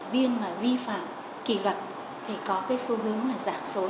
viên mà vi phạm kỳ luật thì có cái xu hướng là giảm số